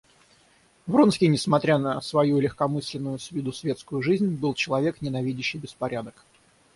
Вронский, несмотря на свою легкомысленную с виду светскую жизнь, был человек, ненавидевший беспорядок.